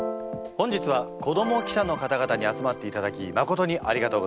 本日は子ども記者の方々に集まっていただきまことにありがとうございます。